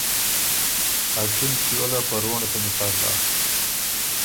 ا چینګه شیو له په رونړه څمی تر داک۔